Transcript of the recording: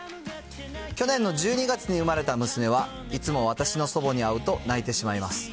去年の１２月に生まれた娘は、いつも私の祖母に会うと泣いてしまいます。